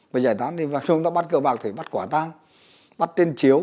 với giải tán thì chúng ta bắt cờ bạc thì bắt quả tang bắt trên chiếu